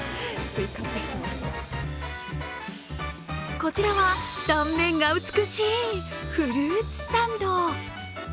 こちらは、断面が美しいフルーツサンド。